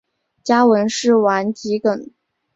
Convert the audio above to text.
家纹是丸桔梗。